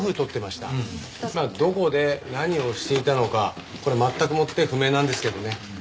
まあどこで何をしていたのかこれは全くもって不明なんですけどね。